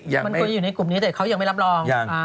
มันเคยอยู่ในกลุ่มนี้แต่เขายังไม่รับรอง